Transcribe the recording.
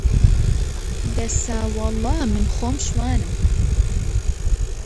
دەسا وەڵڵا من خۆم شوانم